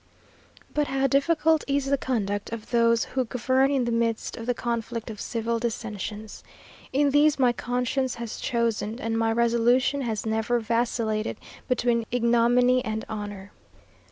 But how difficult is the conduct of those who govern in the midst of the conflict of civil dissensions! In these, my conscience has chosen, and my resolution has never vacillated between ignominy and honour.